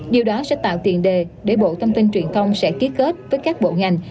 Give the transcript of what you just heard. điều đó sẽ tạo tiền đề để bộ thông tin truyền thông sẽ ký kết với các bộ ngành